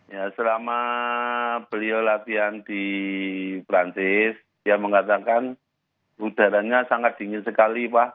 ya selama beliau latihan di perancis dia mengatakan udaranya sangat dingin sekali pak